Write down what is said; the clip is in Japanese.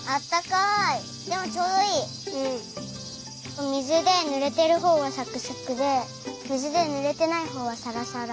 お水でぬれてるほうがサクサクで水でぬれてないほうはサラサラ。